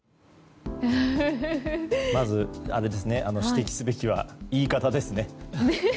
まず指摘すべきは言い方ですね。